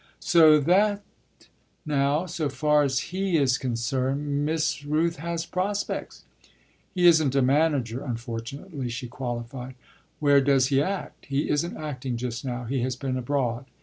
"So that now so far as he is concerned Miss Rooth has prospects?" "He isn't a manager unfortunately," she qualified. "Where does he act?" "He isn't acting just now; he has been abroad.